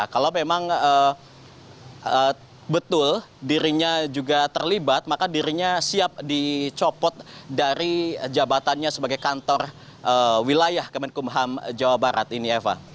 kalau memang betul dirinya juga terlibat maka dirinya siap dicopot dari jabatannya sebagai kantor wilayah kemenkumham jawa barat ini eva